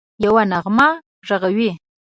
یوه نغمه ږغوي